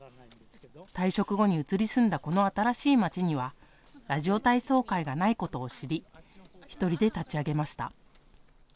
退職後に移り住んだこの新しい街にはラジオ体操会がないことを知り１人で立ち上げました。